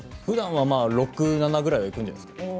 ふだんはまあ６７ぐらいはいくんじゃないですか。